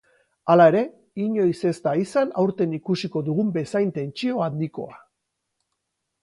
Hala ere, inoiz ez da izan aurten ikusiko dugun bezain tentsio handikoa.